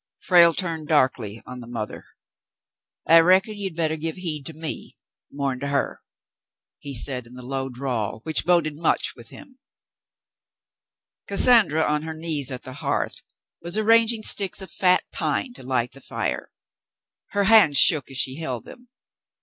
Frale turned darkly on the mother. "I reckon you'd bettah give heed to me mor'n to her," he said, in the low drawl which boded much with him, 158 The Mountain Girl Cassandra, on her knees at the hearth, was arranging sticks of fat pine to Hght the fire. Her hands shook as she held them.